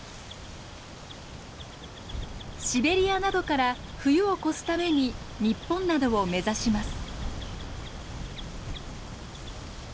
シベリアなどから冬を越すために日本などを目指します。